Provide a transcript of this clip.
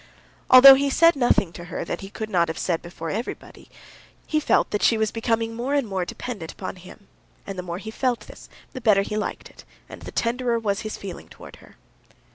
Although he said nothing to her that he could not have said before everybody, he felt that she was becoming more and more dependent upon him, and the more he felt this, the better he liked it, and the tenderer was his feeling for her.